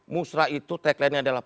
musrah itu tagline nya adalah